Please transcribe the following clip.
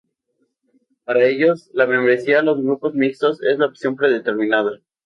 Para ellos, la membresía a los Grupos Mixtos es la opción predeterminada.